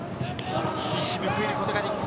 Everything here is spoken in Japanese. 一矢報いることができるか？